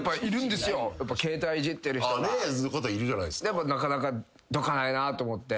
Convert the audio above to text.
でもなかなかどかないなと思って。